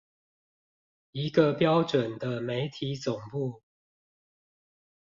一個標準的媒體總部